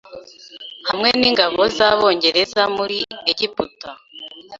Hamwe n’ingabo z’Abongereza muri Egiputa